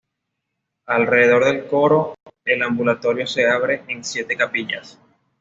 Alrededor del coro, el ambulatorio se abre en siete capillas.